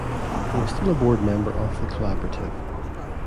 He is still a board member of the Collaborative.